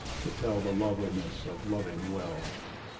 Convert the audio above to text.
—to tell The loveliness of loving well!